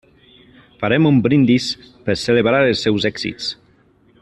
Farem un brindis per celebrar els seus èxits.